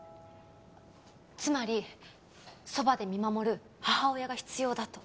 つまりそばで見守る母親が必要だと。